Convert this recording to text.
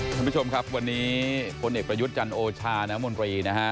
คุณผู้ชมครับวันนี้พลเอกประยุทธ์จันโอชาน้ำมนตรีนะฮะ